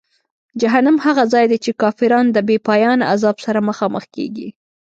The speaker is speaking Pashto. جهنم هغه ځای دی چې کافران د بېپایانه عذاب سره مخامخ کیږي.